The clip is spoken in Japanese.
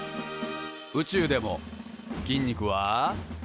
宇宙でも筋肉は。